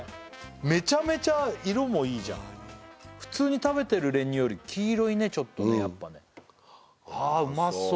めちゃめちゃ色もいいじゃん普通に食べてる練乳より黄色いねちょっとねやっぱねああうまそう！